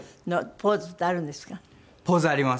ポーズあります。